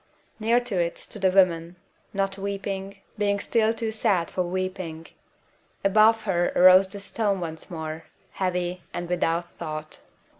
Near to it stood a woman, not weeping, being still too sad for weeping. Above her arose the stone once more, heavy and without thought.